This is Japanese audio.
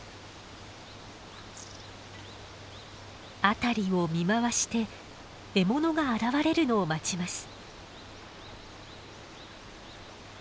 辺りを見回して獲物が現れるのを待ちます。